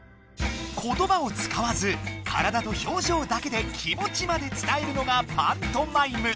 言葉を使わず体と表情だけで気持ちまで伝えるのがパントマイム。